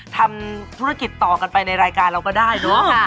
ทำธุรกิจต่อกันไปในรายการเราก็ได้เนอะ